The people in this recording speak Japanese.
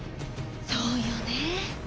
そうよね！